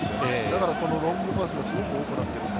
だからロングパスがすごく多くなっている。